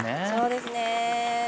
そうですね。